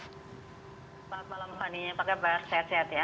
selamat malam fani apakah mbak sehat sehat ya